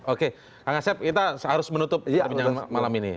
oke kang asep kita harus menutup malam ini